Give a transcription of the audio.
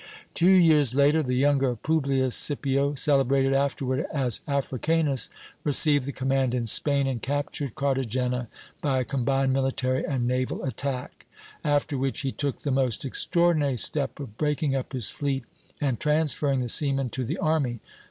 Two years later the younger Publius Scipio, celebrated afterward as Africanus, received the command in Spain, and captured Cartagena by a combined military and naval attack; after which he took the most extraordinary step of breaking up his fleet and transferring the seamen to the army.